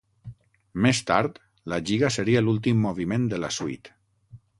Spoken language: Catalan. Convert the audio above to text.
Més tard, la giga seria l'últim moviment de la suite.